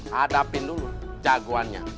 hadapin dulu jagoannya